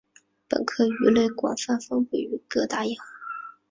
本科鱼类广泛分布于各大洋。